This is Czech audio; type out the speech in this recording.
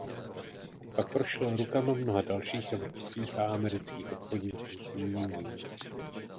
Pak prošel rukama mnoha dalších evropských a amerických obchodníků s uměním.